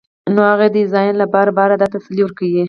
نو هغه دې ځان له بار بار دا تسلي ورکوي